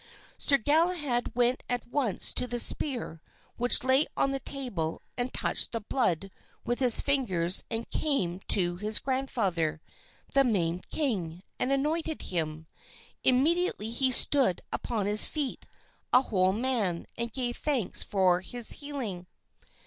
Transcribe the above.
Sir Galahad went at once to the spear which lay on the table and touched the blood with his fingers and came to his grandfather, the maimed king, and anointed him. Immediately he stood upon his feet a whole man, and gave thanks for his healing.